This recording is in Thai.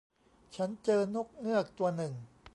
ฉันเจอนกเงือกตัวหนึ่ง